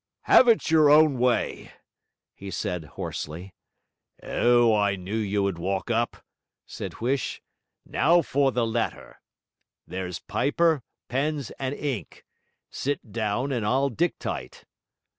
'Have it your own way!' he said hoarsely. 'Oh, I knew you would walk up,' said Huish. 'Now for the letter. There's paper, pens and ink. Sit down and I'll dictyte.'